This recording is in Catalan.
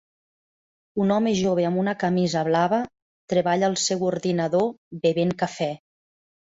Un home jove amb una camisa blava treballa al seu ordinador, bevent cafè.